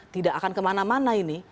tidak akan kemana mana ini